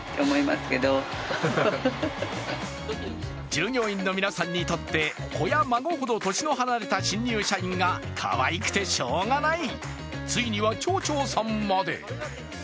従業員の皆さんにとって子や孫ほど年の離れた新入社員がかわいくて、しようがない。